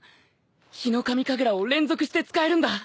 ヒノカミ神楽を連続して使えるんだ。